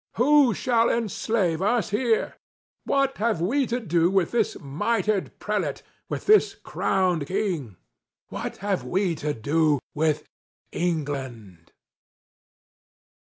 Who shall enslave us here? What have we to do with this mitred prelate—with this crowned king? What have we to do with England?"